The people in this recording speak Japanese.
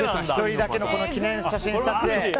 １人だけのこの記念写真撮影。